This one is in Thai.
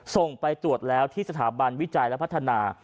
ส่งไปตรวจแล้วที่สถาบันวิจัยและพัฒนา